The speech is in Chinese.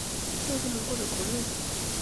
让他们过着苦日子